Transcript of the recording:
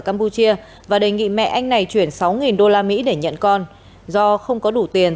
campuchia và đề nghị mẹ anh này chuyển sáu usd để nhận con do không có đủ tiền